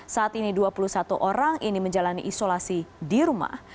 saat ini dua puluh satu orang ini menjalani isolasi di rumah